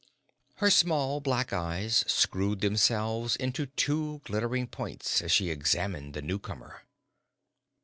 Her small black eyes screwed themselves into two glittering points as she examined the newcomer.